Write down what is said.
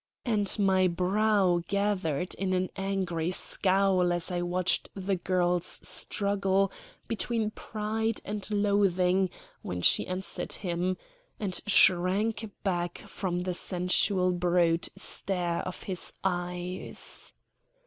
And my brow gathered in an angry scowl as I watched the girl's struggle between pride and loathing when she answered him, and shrank back from the sensual brute stare of his eyes.